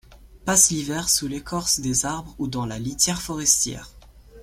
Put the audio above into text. Passe l'hiver sous l'écorce des arbres ou dans la litière forestière.